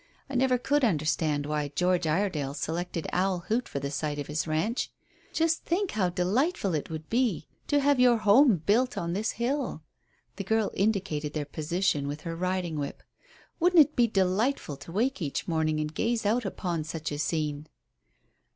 I never could understand why George Iredale selected Owl Hoot for the site of his ranch. Just think how delightful it would be to have your home built on this hill." The girl indicated their position with her riding whip. "Wouldn't it be delightful to wake each morning and gaze out upon such a scene?"